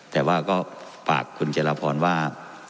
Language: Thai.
แต่ว่าก็ฝากคุณเจรพรว่า